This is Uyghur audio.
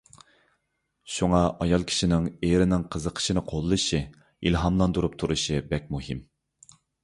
شۇڭا ئايال كىشىنىڭ ئېرىنىڭ قىزىقىشىنى قوللىشى، ئىلھاملاندۇرۇپ تۇرۇشى بەك مۇھىم.